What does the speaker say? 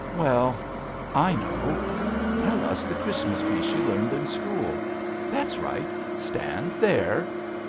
Well — I know I Tell us the Christmas piece you learned in school. That's right. Stand there